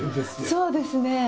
そうですね。